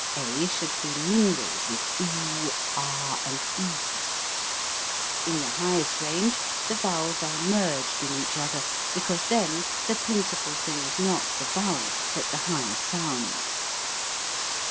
A should be mingled with oo, ah, and e. In the highest range, the vowels are merged in each other, because then the principal thing is not the vowel, but the high sound.